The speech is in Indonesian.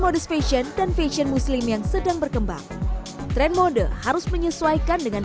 modus fashion dan fashion muslim yang sedang berkembang tren mode harus menyesuaikan dengan